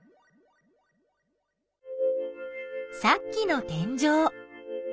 さっきの天井。